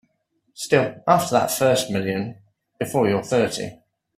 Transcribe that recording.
Still after that first million before you're thirty.